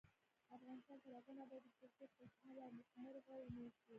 افغانستان تر هغو نه ابادیږي، ترڅو خوشحاله او نیکمرغه ونه اوسو.